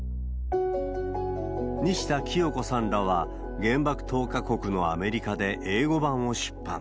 西多喜代子さんらは、原爆投下国のアメリカで英語版を出版。